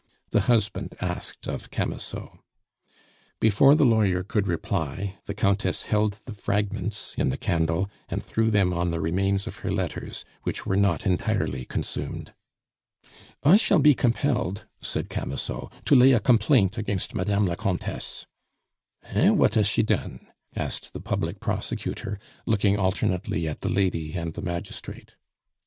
the husband asked of Camusot. Before the lawyer could reply, the Countess held the fragments in the candle and threw them on the remains of her letters, which were not entirely consumed. "I shall be compelled," said Camusot, "to lay a complaint against Madame la Comtesse " "Heh! What has she done?" asked the public prosecutor, looking alternately at the lady and the magistrate.